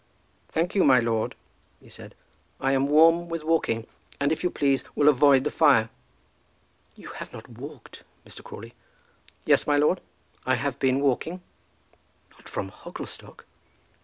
"Thank you, my lord," he said, "I am warm with walking, and, if you please, will avoid the fire." "You have not walked, Mr. Crawley?" "Yes, my lord. I have been walking." "Not from Hogglestock!"